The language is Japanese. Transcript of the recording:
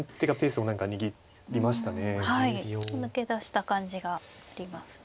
抜け出した感じがありますね。